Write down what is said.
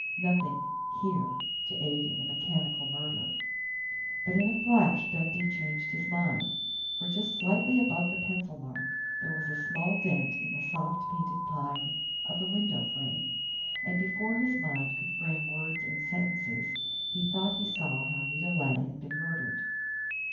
Nothing here to aid in a mechanical murder But in a flash Dundee changed his mind. For just slightly above the pencil mark there was a small dent in the soft painted pine of the window frame. And before his mind could frame words and sentences he thought he saw how Nita Leigh had been murdered.